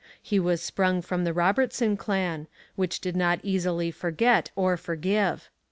He was sprung from the Robertson clan, which did not easily forget or forgive.